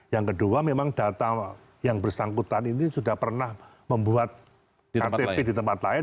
yang kedua memang data yang bersangkutan ini sudah pernah membuat ktp di tempat lain